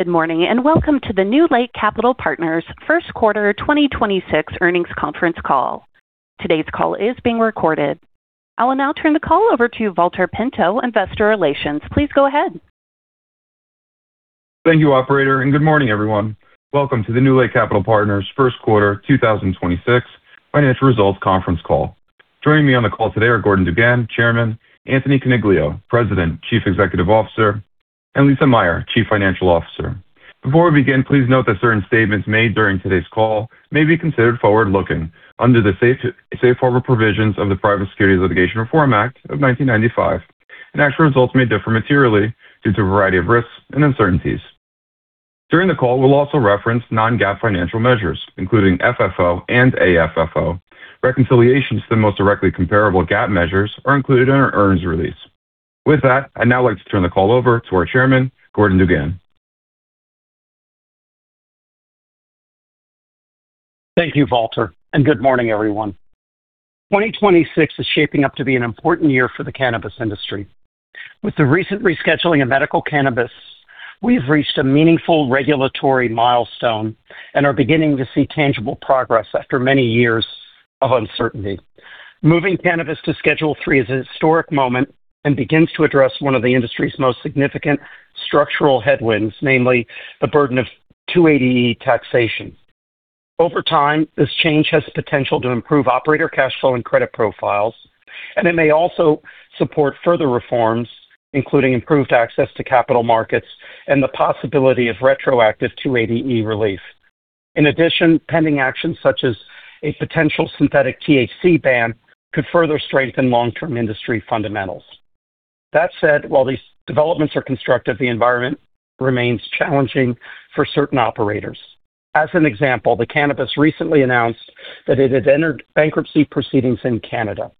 Good morning, welcome to the NewLake Capital Partners First Quarter 2026 Earnings Conference Call. Today's call is being recorded. I will now turn the call over to Valter Pinto, Investor Relations. Please go ahead. Thank you, operator. Good morning everyone. Welcome to the NewLake Capital Partners First quarter 2026 Financial Results Conference Call. Joining me on the call today are Gordon DuGan, Chairman; Anthony Coniglio, President, Chief Executive Officer; and Lisa Meyer, Chief Financial Officer. Before we begin, please note that certain statements made during today's call may be considered forward-looking under the safe harbor provisions of the Private Securities Litigation Reform Act of 1995, and actual results may differ materially due to a variety of risks and uncertainties. During the call, we'll also reference non-GAAP financial measures, including FFO and AFFO. Reconciliations to the most directly comparable GAAP measures are included in our earnings release. With that, I'd now like to turn the call over to our Chairman, Gordon DuGan. Thank you, Valter, and good morning, everyone. 2026 is shaping up to be an important year for the cannabis industry. With the recent rescheduling of medical cannabis, we've reached a meaningful regulatory milestone and are beginning to see tangible progress after many years of uncertainty. Moving cannabis to Schedule III is a historic moment and begins to address one of the industry's most significant structural headwinds, namely the burden of 280E taxation. Over time, this change has the potential to improve operator cash flow and credit profiles, and it may also support further reforms, including improved access to capital markets and the possibility of retroactive 280E relief. In addition, pending actions such as a potential synthetic THC ban could further strengthen long-term industry fundamentals. That said, while these developments are constructive, the environment remains challenging for certain operators. As an example, The Cannabist Company recently announced that it had entered bankruptcy proceedings in Canada.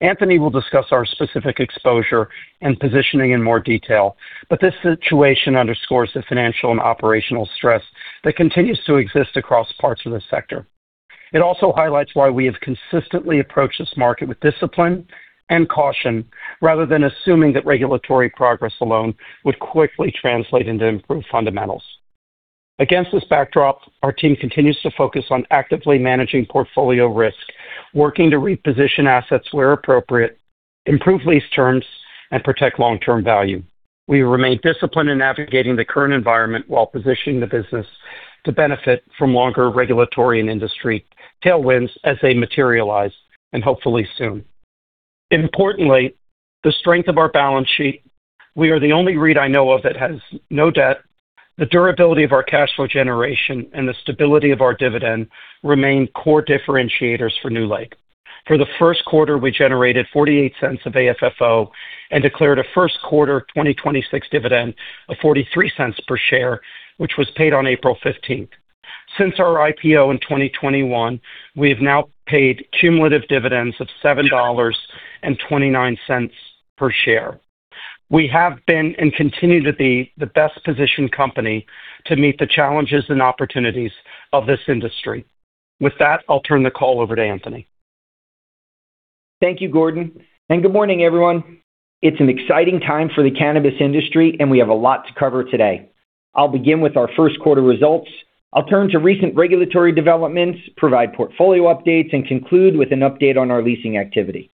Anthony will discuss our specific exposure and positioning in more detail, but this situation underscores the financial and operational stress that continues to exist across parts of the sector. It also highlights why we have consistently approached this market with discipline and caution rather than assuming that regulatory progress alone would quickly translate into improved fundamentals. Against this backdrop, our team continues to focus on actively managing portfolio risk, working to reposition assets where appropriate, improve lease terms, and protect long-term value. We remain disciplined in navigating the current environment while positioning the business to benefit from longer regulatory and industry tailwinds as they materialize, and hopefully soon. Importantly, the strength of our balance sheet, we are the only REIT I know of that has no debt. The durability of our cash flow generation and the stability of our dividend remain core differentiators for NewLake. For the first quarter, we generated $0.48 of AFFO and declared a first quarter 2026 dividend of $0.43 per share, which was paid on April 15th. Since our IPO in 2021, we have now paid cumulative dividends of $7.29 per share. We have been and continue to be the best-positioned company to meet the challenges and opportunities of this industry. With that, I'll turn the call over to Anthony. Thank you, Gordon. Good morning, everyone. It's an exciting time for the cannabis industry. We have a lot to cover today. I'll begin with our first quarter results. I'll turn to recent regulatory developments, provide portfolio updates, and conclude with an update on our leasing activity.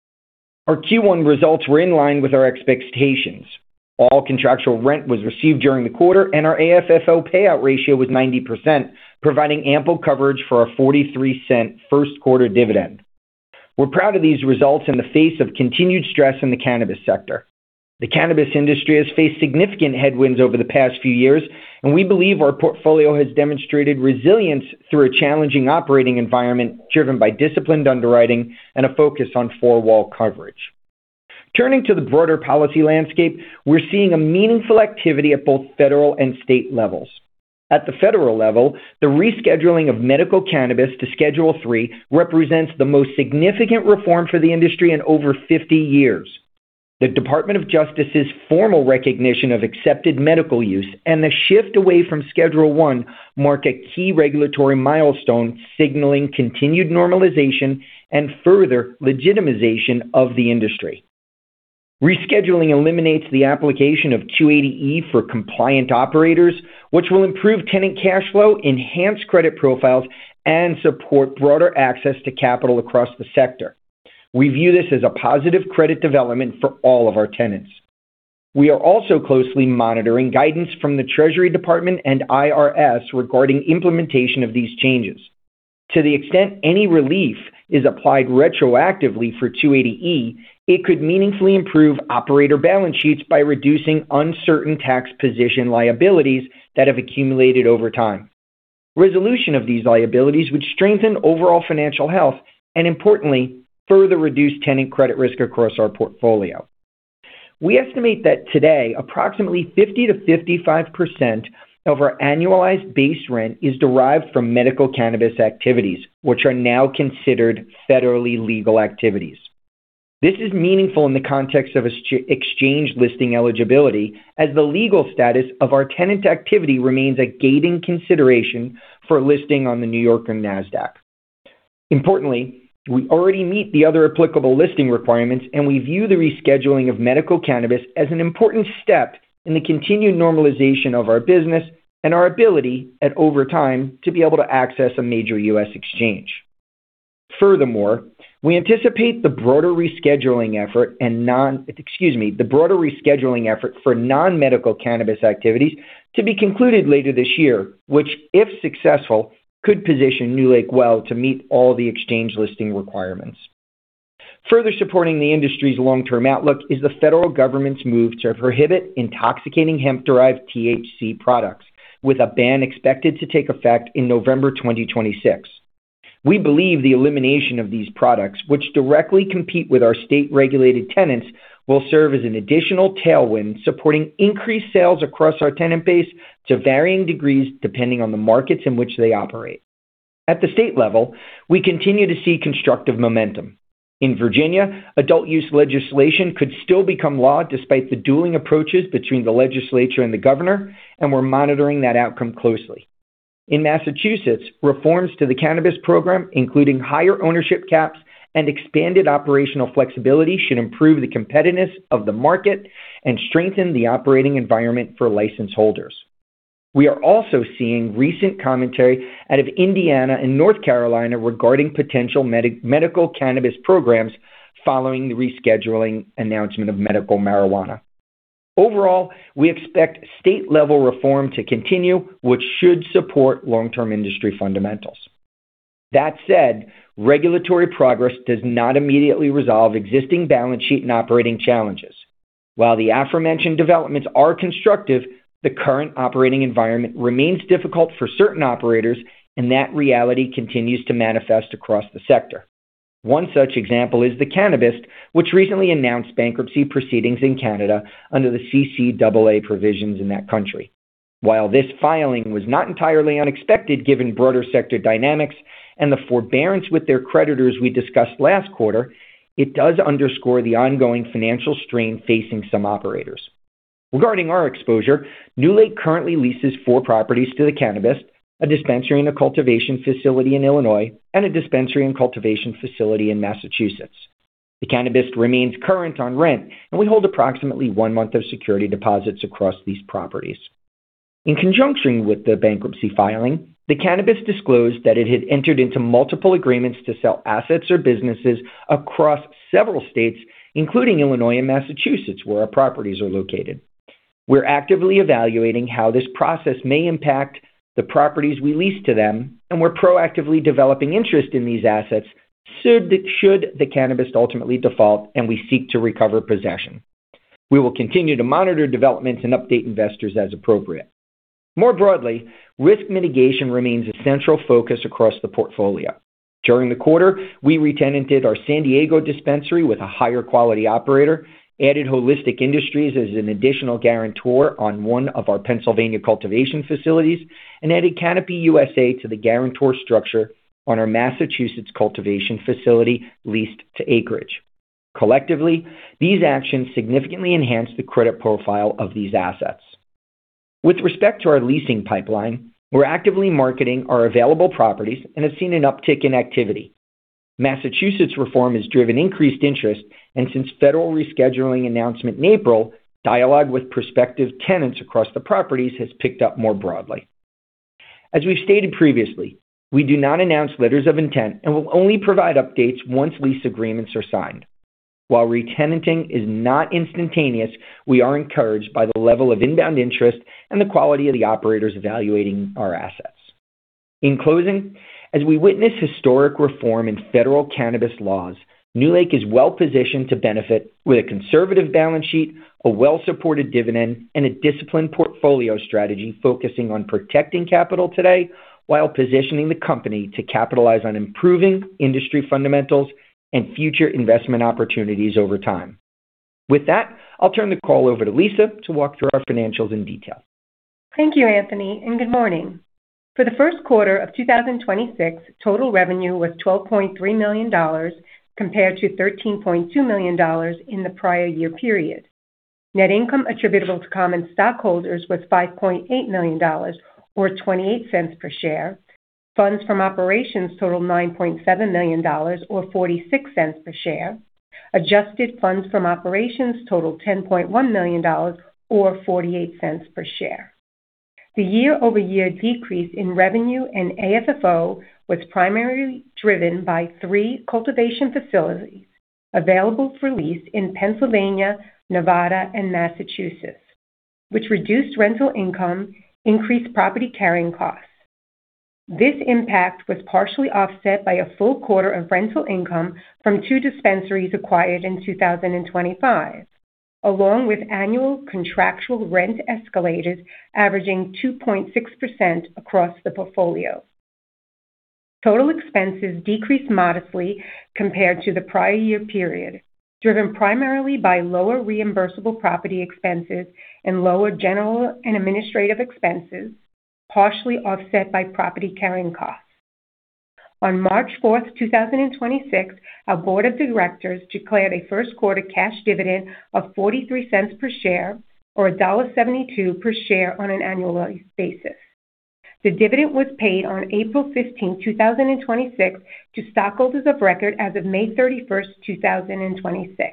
Our Q1 results were in line with our expectations. All contractual rent was received during the quarter. Our AFFO payout ratio was 90%, providing ample coverage for our $0.43 first quarter dividend. We're proud of these results in the face of continued stress in the cannabis sector. The cannabis industry has faced significant headwinds over the past few years. We believe our portfolio has demonstrated resilience through a challenging operating environment driven by disciplined underwriting and a focus on four-wall coverage. Turning to the broader policy landscape, we're seeing a meaningful activity at both federal and state levels. At the federal level, the rescheduling of medical cannabis to Schedule III represents the most significant reform for the industry in over 50 years. The Department of Justice's formal recognition of accepted medical use and the shift away from Schedule I mark a key regulatory milestone signaling continued normalization and further legitimization of the industry. Rescheduling eliminates the application of 280E for compliant operators, which will improve tenant cash flow, enhance credit profiles, and support broader access to capital across the sector. We view this as a positive credit development for all of our tenants. We are also closely monitoring guidance from the Treasury Department and IRS regarding implementation of these changes. To the extent any relief is applied retroactively for 280E, it could meaningfully improve operator balance sheets by reducing uncertain tax position liabilities that have accumulated over time. Resolution of these liabilities would strengthen overall financial health and, importantly, further reduce tenant credit risk across our portfolio. We estimate that today approximately 50%-55% of our annualized base rent is derived from medical cannabis activities, which are now considered federally legal activities. This is meaningful in the context of exchange listing eligibility as the legal status of our tenant activity remains a gating consideration for listing on the New York or Nasdaq. Importantly, we already meet the other applicable listing requirements, and we view the rescheduling of medical cannabis as an important step in the continued normalization of our business and our ability at over time to be able to access a major U.S. exchange. Furthermore, we anticipate the broader rescheduling effort for non-medical cannabis activities to be concluded later this year, which, if successful, could position NewLake well to meet all the exchange listing requirements. Further supporting the industry's long-term outlook is the federal government's move to prohibit intoxicating hemp-derived THC products, with a ban expected to take effect in November 2026. We believe the elimination of these products, which directly compete with our state-regulated tenants, will serve as an additional tailwind, supporting increased sales across our tenant base to varying degrees depending on the markets in which they operate. At the state level, we continue to see constructive momentum. In Virginia, adult use legislation could still become law despite the dueling approaches between the legislature and the governor. We're monitoring that outcome closely. In Massachusetts, reforms to the cannabis program, including higher ownership caps and expanded operational flexibility, should improve the competitiveness of the market and strengthen the operating environment for license holders. We are also seeing recent commentary out of Indiana and North Carolina regarding potential medical cannabis programs following the rescheduling announcement of medical marijuana. Overall, we expect state-level reform to continue, which should support long-term industry fundamentals. That said, regulatory progress does not immediately resolve existing balance sheet and operating challenges. While the aforementioned developments are constructive, the current operating environment remains difficult for certain operators, and that reality continues to manifest across the sector. One such example is The Cannabist, which recently announced bankruptcy proceedings in Canada under the CCAA provisions in that country. While this filing was not entirely unexpected, given broader sector dynamics and the forbearance with their creditors we discussed last quarter, it does underscore the ongoing financial strain facing some operators. Regarding our exposure, NewLake currently leases 4 properties to The Cannabist, a dispensary and a cultivation facility in Illinois, and a dispensary and cultivation facility in Massachusetts. The Cannabist remains current on rent, and we hold approximately one month of security deposits across these properties. In conjunction with the bankruptcy filing, The Cannabist disclosed that it had entered into multiple agreements to sell assets or businesses across several states, including Illinois and Massachusetts, where our properties are located. We're actively evaluating how this process may impact the properties we lease to them, and we're proactively developing interest in these assets should The Cannabist ultimately default and we seek to recover possession. We will continue to monitor developments and update investors as appropriate. More broadly, risk mitigation remains a central focus across the portfolio. During the quarter, we re-tenanted our San Diego dispensary with a higher quality operator, added Holistic Industries as an additional guarantor on 1 of our Pennsylvania cultivation facilities, and added Canopy USA to the guarantor structure on our Massachusetts cultivation facility leased to Acreage. Collectively, these actions significantly enhance the credit profile of these assets. With respect to our leasing pipeline, we're actively marketing our available properties and have seen an uptick in activity. Massachusetts reform has driven increased interest, and since federal rescheduling announcement in April, dialogue with prospective tenants across the properties has picked up more broadly. As we've stated previously, we do not announce letters of intent and will only provide updates once lease agreements are signed. While re-tenanting is not instantaneous, we are encouraged by the level of inbound interest and the quality of the operators evaluating our assets. In closing, as we witness historic reform in federal cannabis laws, NewLake is well-positioned to benefit with a conservative balance sheet, a well-supported dividend, and a disciplined portfolio strategy focusing on protecting capital today while positioning the company to capitalize on improving industry fundamentals and future investment opportunities over time. With that, I'll turn the call over to Lisa to walk through our financials in detail. Thank you, Anthony, good morning. For the first quarter of 2026, total revenue was $12.3 million compared to $13.2 million in the prior year period. Net income attributable to common stockholders was $5.8 million or $0.28 per share. Funds from operations totaled $9.7 million or $0.46 per share. Adjusted funds from operations totaled $10.1 million or $0.48 per share. The year-over-year decrease in revenue and AFFO was primarily driven by three cultivation facilities available for lease in Pennsylvania, Nevada, and Massachusetts, which reduced rental income, increased property carrying costs. This impact was partially offset by a full quarter of rental income from two dispensaries acquired in 2025, along with annual contractual rent escalators averaging 2.6% across the portfolio. Total expenses decreased modestly compared to the prior year period, driven primarily by lower reimbursable property expenses and lower general and administrative expenses, partially offset by property carrying costs. On March 4, 2026, our board of directors declared a first quarter cash dividend of $0.43 per share or $1.72 per share on an annualized basis. The dividend was paid on April 15, 2026 to stockholders of record as of May 31, 2026,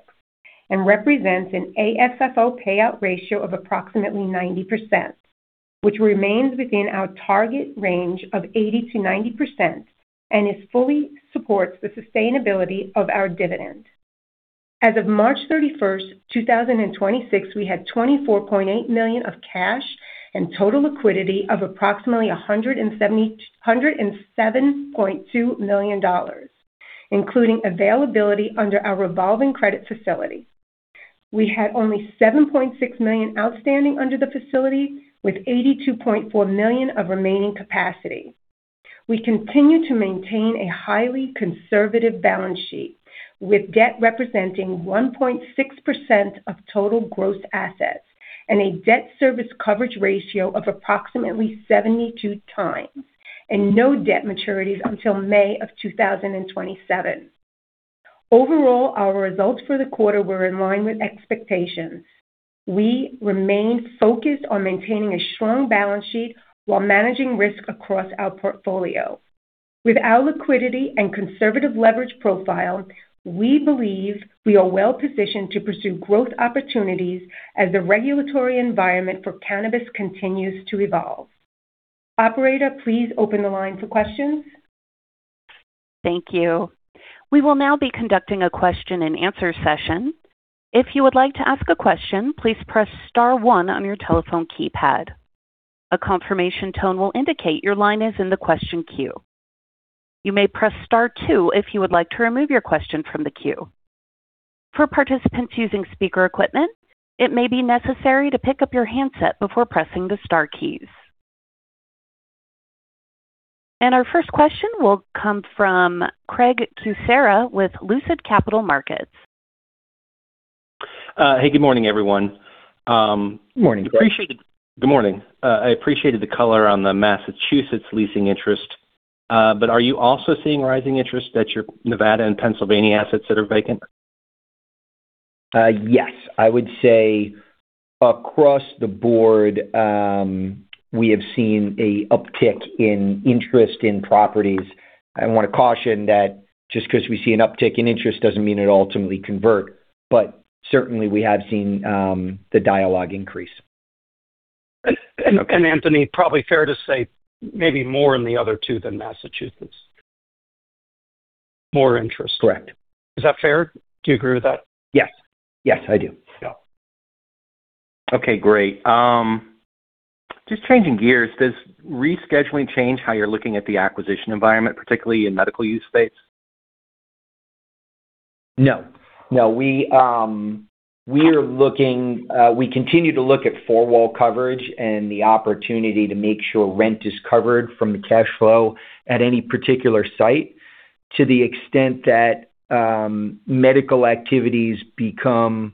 and represents an AFFO payout ratio of approximately 90%, which remains within our target range of 80%-90% and it fully supports the sustainability of our dividends. As of March 31, 2026, we had $24.8 million of cash and total liquidity of approximately $107.2 million, including availability under our revolving credit facility. We had only $7.6 million outstanding under the facility with $82.4 million of remaining capacity. We continue to maintain a highly conservative balance sheet, with debt representing 1.6% of total gross assets and a debt service coverage ratio of approximately 72x and no debt maturities until May of 2027. Overall, our results for the quarter were in line with expectations. We remain focused on maintaining a strong balance sheet while managing risk across our portfolio. With our liquidity and conservative leverage profile, we believe we are well-positioned to pursue growth opportunities as the regulatory environment for cannabis continues to evolve. Operator, please open the line for questions. Thank you. We will now be conducting a question and answer session. If you would like to ask a question, please press star one on your telephone keypad. A confirmation tone will indicate your line is in the question queue. You may press star two if you would like to remove your question from the queue. For participants using speaker equipment, it may be necessary to pick up your handset before pressing the star keys. Our first question will come from Craig Kucera with Lucid Capital Markets. Hey, good morning, everyone. Morning, Craig. Appreciated. Good morning. I appreciated the color on the Massachusetts leasing interest, but are you also seeing rising interest at your Nevada and Pennsylvania assets that are vacant? Yes. I would say across the board, we have seen a uptick in interest in properties. I wanna caution that just 'cause we see an uptick in interest doesn't mean it'll ultimately convert. Certainly, we have seen the dialogue increase. Anthony, probably fair to say maybe more in the other two than Massachusetts. More interest. Correct. Is that fair? Do you agree with that? Yes. Yes, I do. Yeah. Okay, great. Just changing gears, does rescheduling change how you're looking at the acquisition environment, particularly in medical use space? No. We are looking, we continue to look at four-wall coverage and the opportunity to make sure rent is covered from the cash flow at any particular site. To the extent that medical activities become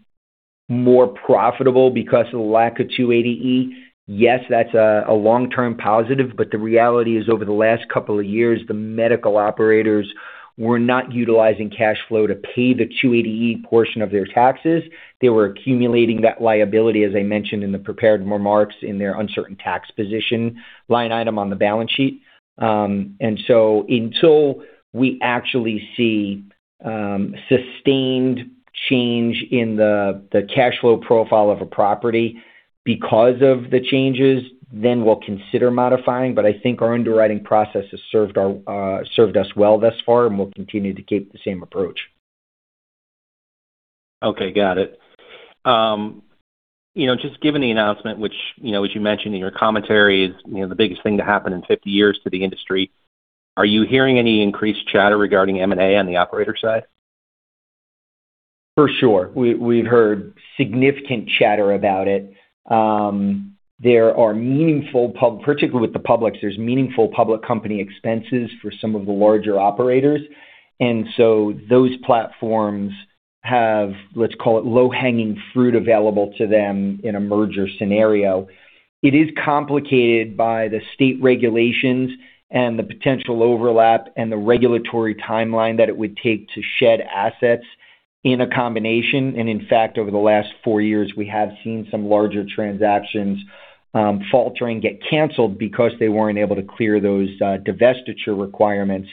more profitable because of the lack of 280E, yes, that's a long-term positive, but the reality is over the last two years, the medical operators were not utilizing cash flow to pay the 280E portion of their taxes. They were accumulating that liability, as I mentioned in the prepared remarks, in their uncertain tax position line item on the balance sheet. Until we actually see sustained change in the cash flow profile of a property because of the changes, then we'll consider modifying. I think our underwriting process has served us well thus far, and we'll continue to keep the same approach. Okay, got it. You know, just given the announcement, which, you know, as you mentioned in your commentary is, you know, the biggest thing to happen in 50 years to the industry, are you hearing any increased chatter regarding M&A on the operator side? For sure. We've heard significant chatter about it. Particularly with the publics, there's meaningful public company expenses for some of the larger operators. Those platforms have, let's call it, low-hanging fruit available to them in a merger scenario. It is complicated by the state regulations and the potential overlap and the regulatory timeline that it would take to shed assets in a combination. In fact, over the last four years, we have seen some larger transactions falter and get canceled because they weren't able to clear those divestiture requirements.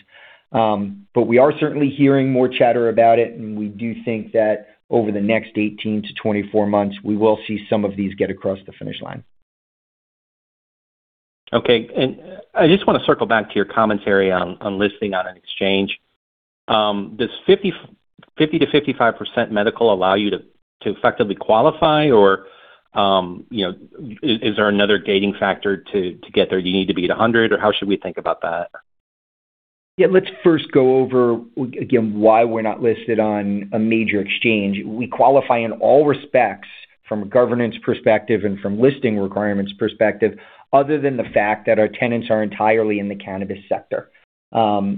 But we are certainly hearing more chatter about it, and we do think that over the next 18 to 24 months, we will see some of these get across the finish line. Okay. I just wanna circle back to your commentary on listing on an exchange. Does 50%-55% medical allow you to effectively qualify or, you know, is there another gating factor to get there? Do you need to be at 100%, or how should we think about that? Yeah, let's first go over again why we're not listed on a major exchange. We qualify in all respects from a governance perspective and from listing requirements perspective, other than the fact that our tenants are entirely in the cannabis sector. Those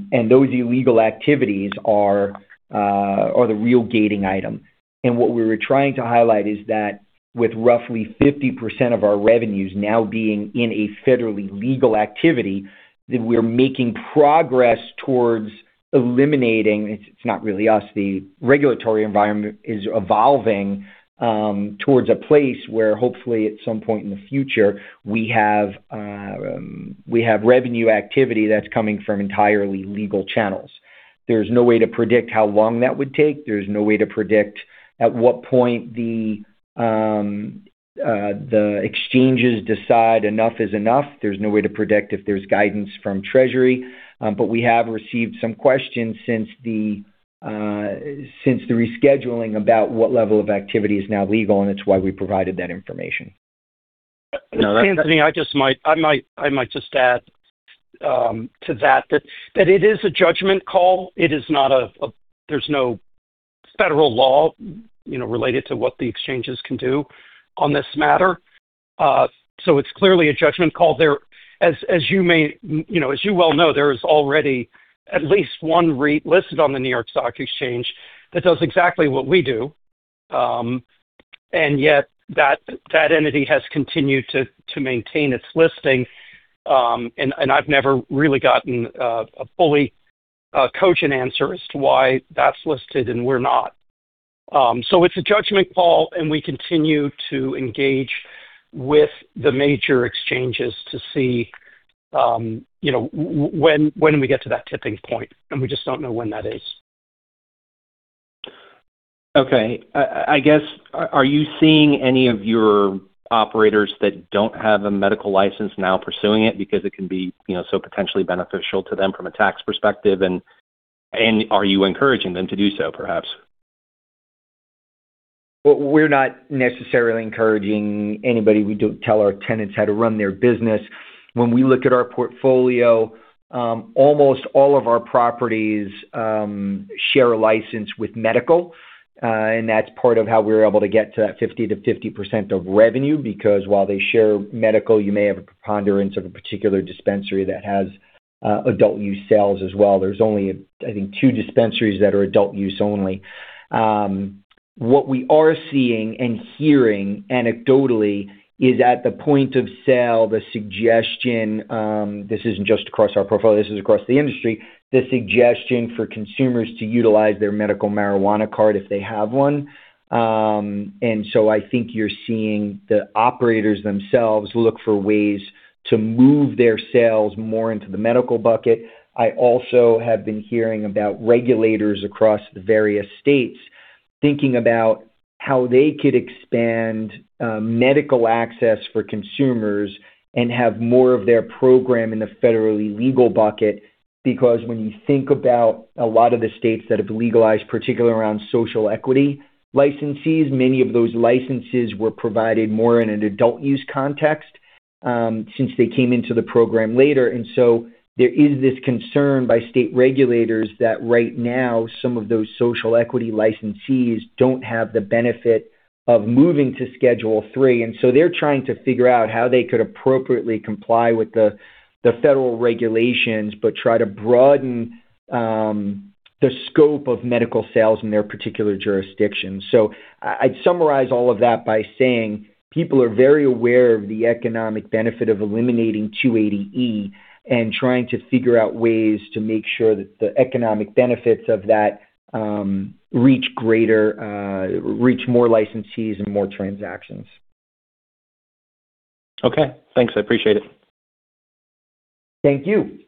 illegal activities are the real gating item. What we were trying to highlight is that with roughly 50% of our revenues now being in a federally legal activity, that we're making progress towards eliminating, it's not really us, the regulatory environment is evolving towards a place where hopefully at some point in the future, we have revenue activity that's coming from entirely legal channels. There's no way to predict how long that would take. There's no way to predict at what point the exchanges decide enough is enough. There's no way to predict if there's guidance from Treasury. We have received some questions since the rescheduling about what level of activity is now legal, and it's why we provided that information. No, that- Anthony, I just might add to that it is a judgment call. There's no federal law, you know, related to what the exchanges can do on this matter. It's clearly a judgment call there. As you may, you know, as you well know, there is already at least one REIT listed on the New York Stock Exchange that does exactly what we do. Yet that entity has continued to maintain its listing, and I've never really gotten a fully cogent answer as to why that's listed and we're not. It's a judgment call, and we continue to engage with the major exchanges to see, you know, when we get to that tipping point, and we just don't know when that is. Okay. I guess, are you seeing any of your operators that don't have a medical license now pursuing it because it can be, you know, so potentially beneficial to them from a tax perspective? Are you encouraging them to do so, perhaps? We're not necessarily encouraging anybody. We don't tell our tenants how to run their business. When we look at our portfolio, almost all of our properties share a license with medical, and that's part of how we were able to get to that 50%-50% of revenue because while they share medical, you may have a preponderance of a particular dispensary that has adult use sales as well. There's only, I think, two dispensaries that are adult use only. What we are seeing and hearing anecdotally is at the point of sale, the suggestion, this isn't just across our portfolio, this is across the industry, the suggestion for consumers to utilize their medical marijuana card if they have one. I think you're seeing the operators themselves look for ways to move their sales more into the medical bucket. I also have been hearing about regulators across the various states thinking about how they could expand medical access for consumers and have more of their program in the federally legal bucket. When you think about a lot of the states that have legalized, particularly around social equity licensees, many of those licenses were provided more in an adult use context since they came into the program later. There is this concern by state regulators that right now some of those social equity licensees don't have the benefit of moving to Schedule III, they're trying to figure out how they could appropriately comply with the federal regulations but try to broaden the scope of medical sales in their particular jurisdiction. I'd summarize all of that by saying people are very aware of the economic benefit of eliminating Section 280E and trying to figure out ways to make sure that the economic benefits of that, reach greater, reach more licensees and more transactions. Okay. Thanks, I appreciate it. Thank you.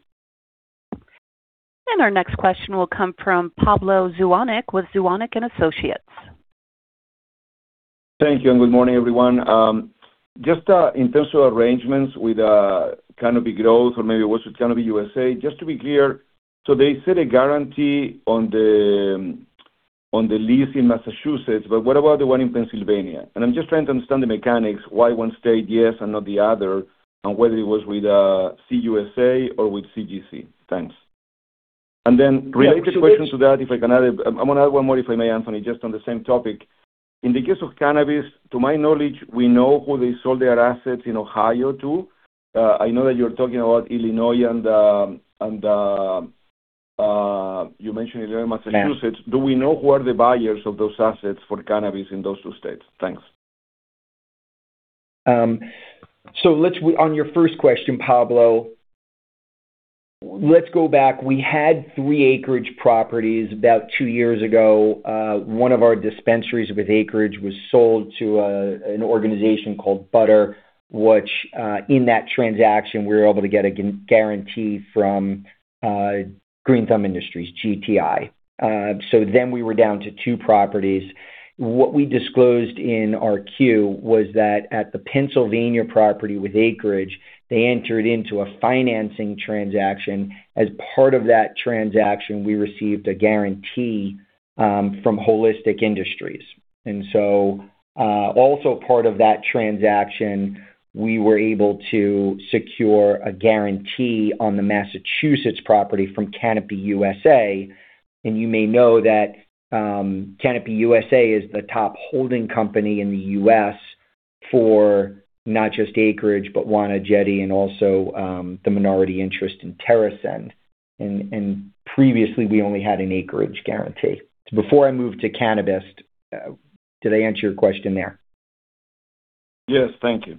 Our next question will come from Pablo Zuanic with Zuanic & Associates. Thank you. Good morning, everyone. Just in terms of arrangements with Canopy Growth or maybe was it Canopy USA, just to be clear, they set a guarantee on the lease in Massachusetts, but what about the one in Pennsylvania? I'm just trying to understand the mechanics, why one state yes and not the other, and whether it was with CUSA or with CGC. Thanks. Related question to that, if I can add it. I'm gonna add one more, if I may, Anthony, just on the same topic. In the case of Cannabist, to my knowledge, we know who they sold their assets in Ohio to. I know that you're talking about Illinois and you mentioned Illinois and Massachusetts. Yes. Do we know who are the buyers of those assets for Cannabist in those two states? Thanks. On your first question, Pablo, let's go back. We had three Acreage properties about two years ago. One of our dispensaries with Acreage was sold to an organization called Butter, which in that transaction, we were able to get a guarantee from Green Thumb Industries, GTI. Then we were down to two properties. What we disclosed in our Q was that at the Pennsylvania property with Acreage, they entered into a financing transaction. As part of that transaction, we received a guarantee from Holistic Industries. Also part of that transaction, we were able to secure a guarantee on the Massachusetts property from Canopy USA. You may know that Canopy USA is the top holding company in the U.S. for not just Acreage, but Wana, Jetty, and also the minority interest in TerrAscend. Previously, we only had an Acreage guarantee. Before I move to Cannabist, did I answer your question there? Yes. Thank you.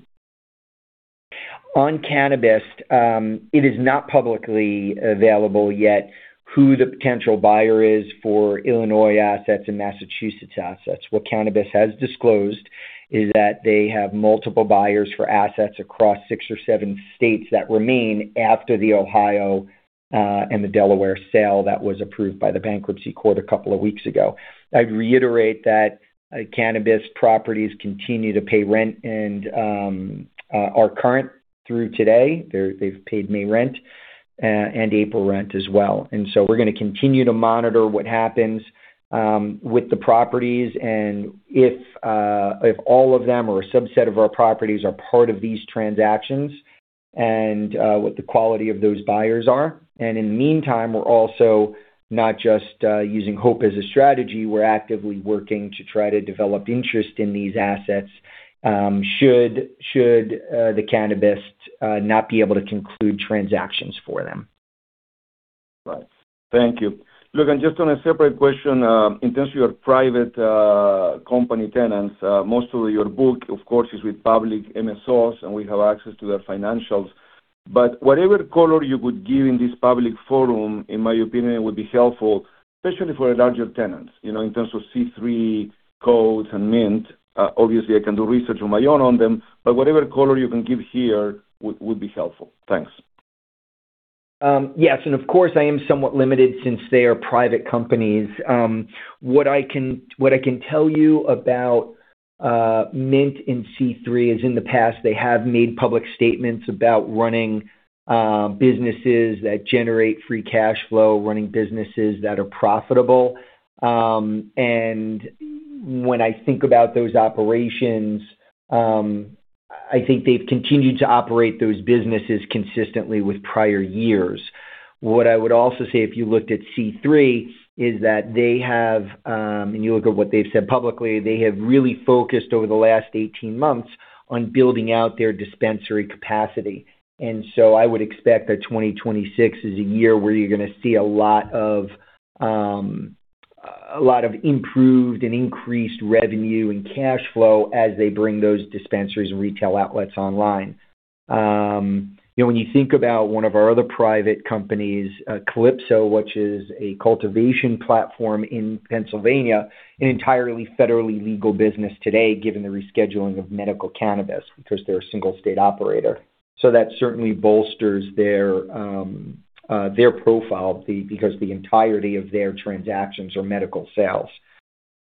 On Cannabist, it is not publicly available yet who the potential buyer is for Illinois assets and Massachusetts assets. What Cannabist has disclosed is that they have multiple buyers for assets across six or seven states that remain after the Ohio and the Delaware sale that was approved by the bankruptcy court a couple of weeks ago. I'd reiterate that Cannabist properties continue to pay rent and are current through today. They've paid May rent and April rent as well. We're gonna continue to monitor what happens with the properties and if all of them or a subset of our properties are part of these transactions and what the quality of those buyers are. In the meantime, we're also not just using hope as a strategy, we're actively working to try to develop interest in these assets, should The Cannabist not be able to conclude transactions for them. Right. Thank you. Look, just on a separate question, in terms of your private company tenants, most of your book, of course, is with public MSOs, and we have access to their financials. Whatever color you could give in this public forum, in my opinion, would be helpful, especially for larger tenants. You know, in terms of C3, COPE and Mint. Obviously I can do research on my own on them, but whatever color you can give here would be helpful. Thanks. Yes, of course, I am somewhat limited since they are private companies. What I can tell you about Mint and C3 Industries is in the past, they have made public statements about running businesses that generate free cash flow, running businesses that are profitable. When I think about those operations, I think they've continued to operate those businesses consistently with prior years. What I would also say if you looked at C3 Industries is that they have, and you look at what they've said publicly, they have really focused over the last 18 months on building out their dispensary capacity. I would expect that 2026 is a year where you're gonna see a lot of improved and increased revenue and cash flow as they bring those dispensaries and retail outlets online. You know, when you think about one of our other private companies, Calypso, which is a cultivation platform in Pennsylvania, an entirely federally legal business today, given the rescheduling of medical cannabis, because they're a single state operator. That certainly bolsters their profile because the entirety of their transactions are medical sales.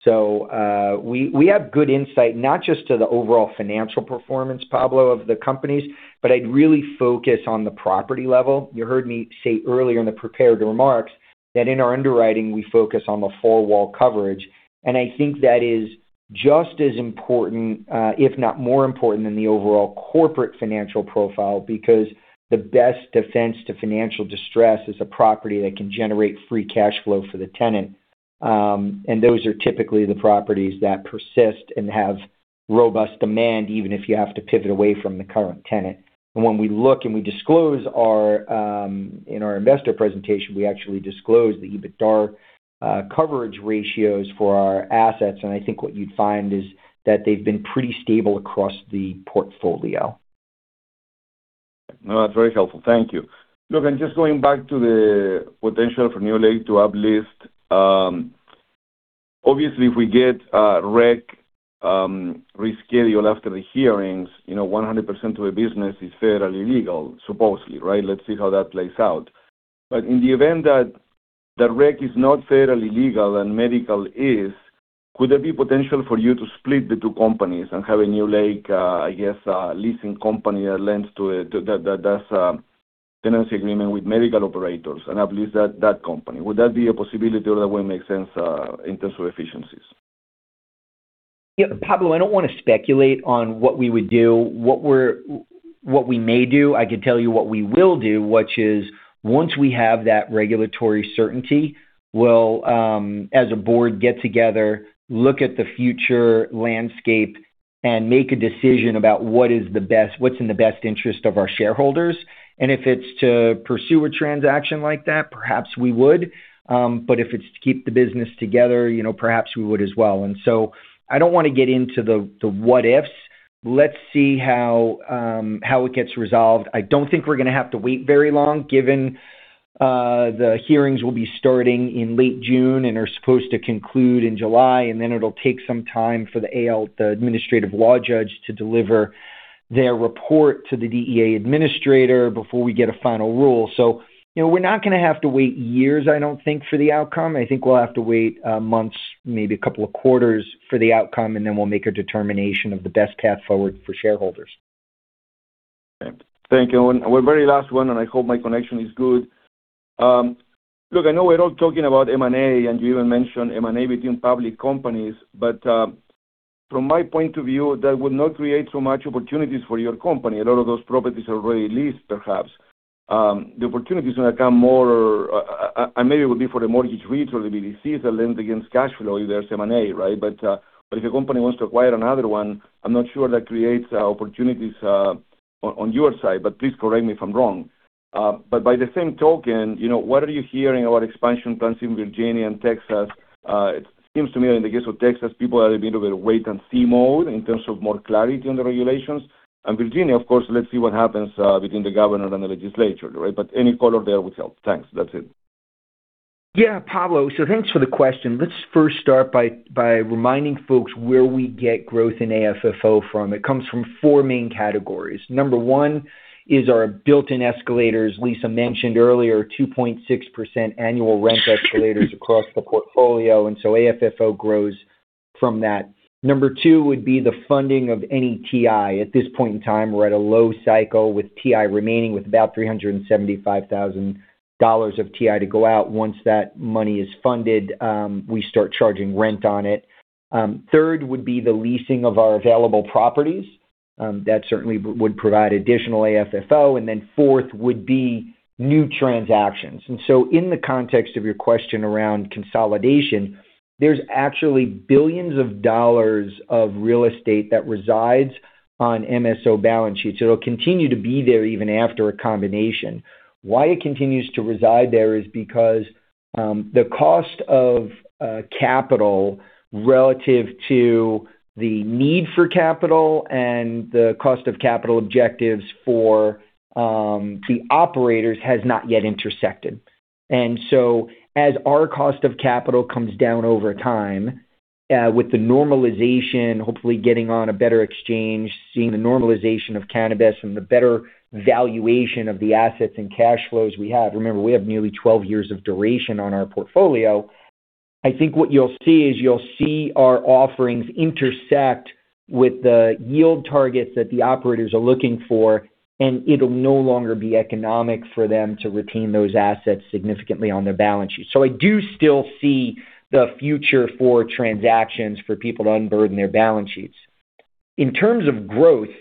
We have good insight, not just to the overall financial performance, Pablo, of the companies, but I'd really focus on the property level. You heard me say earlier in the prepared remarks that in our underwriting, we focus on the four-wall coverage. I think that is just as important, if not more important than the overall corporate financial profile, because the best defense to financial distress is a property that can generate free cash flow for the tenant. Those are typically the properties that persist and have robust demand, even if you have to pivot away from the current tenant. When we look and we disclose our in our investor presentation, we actually disclose the EBITDA coverage ratios for our assets, and I think what you'd find is that they've been pretty stable across the portfolio. No, that's very helpful. Thank you. Look, just going back to the potential for NewLake to uplist. Obviously, if we get rec rescheduled after the hearings, you know, 100% of the business is federally legal, supposedly, right? Let's see how that plays out. In the event that the rec is not federally legal and medical is, could there be potential for you to split the two companies and have a NewLake, I guess, a leasing company that lends to that has a tenancy agreement with medical operators and uplist that company? Would that be a possibility or that wouldn't make sense in terms of efficiencies? Yeah, Pablo, I don't wanna speculate on what we would do, what we may do. I can tell you what we will do, which is once we have that regulatory certainty, we'll, as a board, get together, look at the future landscape and make a decision about what's in the best interest of our shareholders. If it's to pursue a transaction like that, perhaps we would. If it's to keep the business together, you know, perhaps we would as well. I don't wanna get into the what-ifs. Let's see how it gets resolved. I don't think we're gonna have to wait very long, given, the hearings will be starting in late June and are supposed to conclude in July, and then it'll take some time for the AL, the administrative law judge to deliver their report to the DEA administrator before we get a final rule. You know, we're not gonna have to wait years, I don't think, for the outcome. I think we'll have to wait, months, maybe a couple of quarters for the outcome, and then we'll make a determination of the best path forward for shareholders. Okay. Thank you. One very last one, and I hope my connection is good. Look, I know we're all talking about M&A, and you even mentioned M&A between public companies. From my point of view, that would not create so much opportunities for your company. A lot of those properties are already leased, perhaps. The opportunities will come more, and maybe it will be for the mortgage REITs or the BDCs that lend against cash flow if there's M&A, right? If a company wants to acquire another one, I'm not sure that creates opportunities on your side, but please correct me if I'm wrong. By the same token, you know, what are you hearing about expansion plans in Virginia and Texas? It seems to me in the case of Texas, people are a little bit wait and see mode in terms of more clarity on the regulations. Virginia, of course, let's see what happens between the governor and the legislature, right? Any color there would help. Thanks. That's it. Pablo, thanks for the question. Let's first start by reminding folks where we get growth in AFFO from. It comes from four main categories. Number one is our built-in escalators. Lisa mentioned earlier 2.6% annual rent escalators across the portfolio, AFFO grows from that. Number two would be the funding of any TI. At this point in time, we're at a low cycle with TI remaining with about $375,000 of TI to go out. Once that money is funded, we start charging rent on it. Third would be the leasing of our available properties. That certainly would provide additional AFFO. Fourth would be new transactions. In the context of your question around consolidation, there's actually billions of dollars of real estate that resides on MSO balance sheets. It'll continue to be there even after a combination. Why it continues to reside there is because the cost of capital relative to the need for capital and the cost of capital objectives for the operators has not yet intersected. As our cost of capital comes down over time, with the normalization, hopefully getting on a better exchange, seeing the normalization of cannabis and the better valuation of the assets and cash flows we have. Remember, we have nearly 12 years of duration on our portfolio. I think what you'll see is you'll see our offerings intersect with the yield targets that the operators are looking for, and it'll no longer be economic for them to retain those assets significantly on their balance sheets. I do still see the future for transactions for people to unburden their balance sheets. In terms of growth,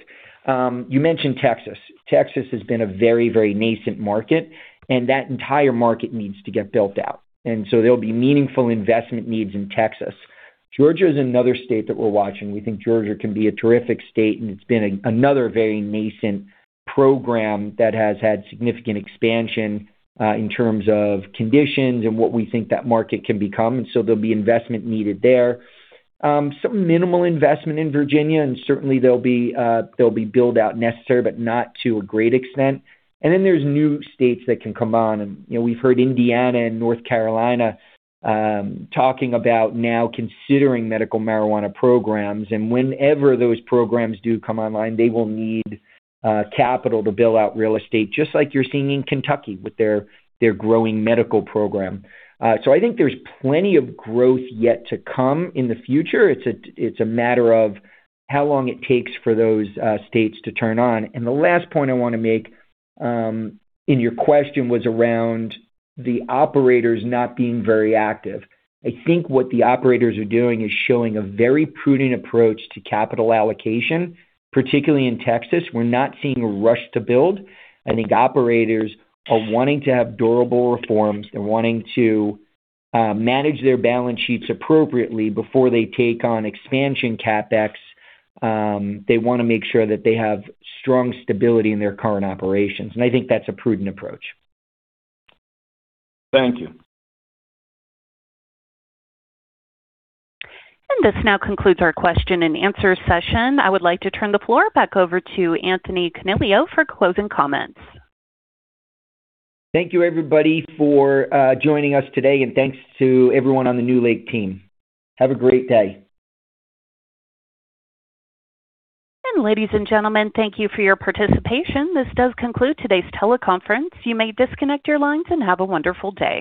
you mentioned Texas. Texas has been a very, very nascent market, that entire market needs to get built out. There'll be meaningful investment needs in Texas. Georgia is another state that we're watching. We think Georgia can be a terrific state, it's been another very nascent program that has had significant expansion in terms of conditions and what we think that market can become. There'll be investment needed there. Some minimal investment in Virginia, certainly there'll be build-out necessary, not to a great extent. There's new states that can come on. You know, we've heard Indiana and North Carolina talking about now considering medical marijuana programs. Whenever those programs do come online, they will need capital to build out real estate, just like you're seeing in Kentucky with their growing medical program. I think there's plenty of growth yet to come in the future. It's a matter of how long it takes for those states to turn on. The last point I wanna make in your question was around the operators not being very active. I think what the operators are doing is showing a very prudent approach to capital allocation, particularly in Texas. We're not seeing a rush to build. I think operators are wanting to have durable reforms. They're wanting to manage their balance sheets appropriately before they take on expansion CapEx. They wanna make sure that they have strong stability in their current operations, and I think that's a prudent approach. Thank you. This now concludes our question and answer session. I would like to turn the floor back over to Anthony Coniglio for closing comments. Thank you, everybody, for joining us today. Thanks to everyone on the NewLake team. Have a great day. Ladies and gentlemen, thank you for your participation. This does conclude today's teleconference. You may disconnect your lines and have a wonderful day.